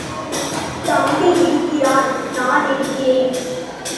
– தம்பி இருக்கிறான் நான் இருக்கிறேன்!...